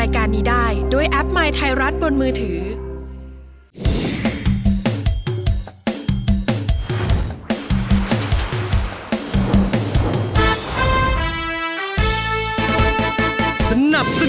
ก็ร้องได้ให้ล้าง